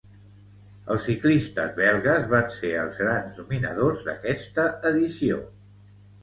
Els ciclistes belgues va ser els grans dominadors d'aquesta edició.